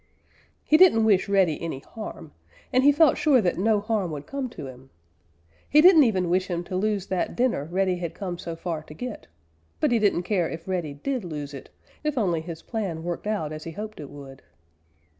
He didn't wish Reddy any harm, and he felt sure that no harm would come to him. He didn't even wish him to lose that dinner Reddy had come so far to get, but he didn't care if Reddy did lose it, if only his plan worked out as he hoped it would.